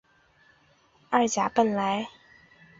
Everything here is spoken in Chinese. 二甲苯蓝和溴酚蓝也常被用于该用途。